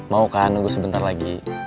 mau kan nunggu sebentar lagi